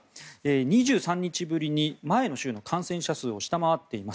２３日ぶりに前の週の感染者数を下回っています。